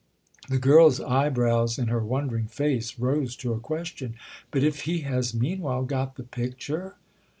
The girl's eyebrows, in her wondering face, rose to a question. "But if he has meanwhile got the picture?"